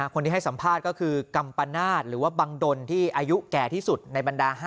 คนที่ให้สัมภาษณ์ก็คือกัมปนาศหรือว่าบังดลที่อายุแก่ที่สุดในบรรดา๕